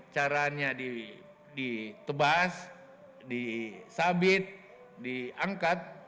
caranya ditebas disabit diangkat